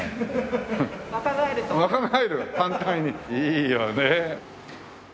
いいよね。